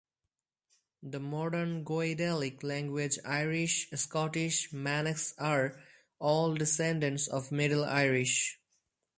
The modern Goidelic languages-Irish, Scottish and Manx-are all descendants of Middle Irish.